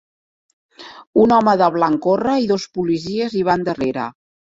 Un home de blanc corre i dos policies hi van darrere